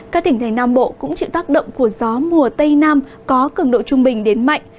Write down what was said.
các tỉnh thành nam bộ cũng chịu tác động của gió mùa tây nam có cường độ trung bình đến mạnh